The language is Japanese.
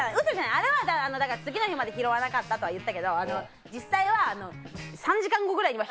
あれはだから次の日まで拾わなかったとは言ったけど実際は３時間後ぐらいには拾ってた。